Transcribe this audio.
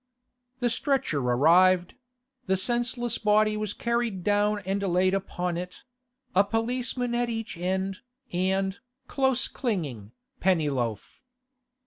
The stretcher arrived; the senseless body was carried down and laid upon it—a policeman at each end, and, close clinging, Pennyloaf.